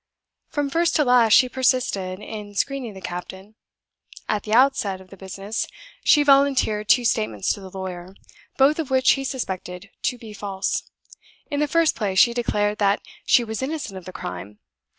From first to last she persisted in screening the captain. At the outset of the business she volunteered two statements to the lawyer both of which he suspected to be false. In the first place she declared that she was innocent of the crime.